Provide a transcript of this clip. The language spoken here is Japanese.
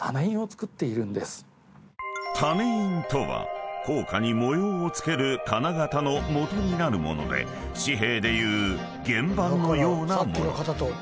［種印とは硬貨に模様を付ける金型の元になる物で紙幣でいう原版のような物］